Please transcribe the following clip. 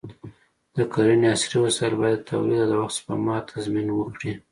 د کرنې عصري وسایل باید د تولید او د وخت سپما تضمین وکړي.